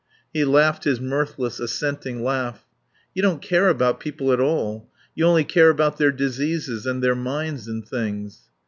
He laughed his mirthless, assenting laugh. "You don't care about people at all. You only care about their diseases and their minds and things."